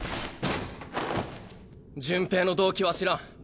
順平の動機は知らん。